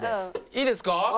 いいですか？